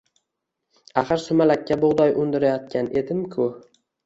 Axir sumalakka bug’doy undirayotgan edimku